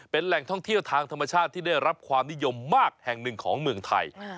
เป็นแหล่งท่องเที่ยวทางธรรมชาติที่ได้รับความนิยมมากแห่งหนึ่งของเมืองไทย